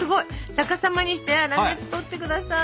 逆さまにして粗熱とってください！